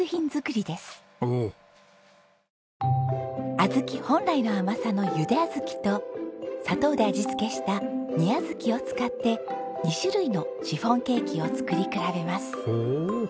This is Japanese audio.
小豆本来の甘さのゆで小豆と砂糖で味付けした煮小豆を使って２種類のシフォンケーキを作り比べます。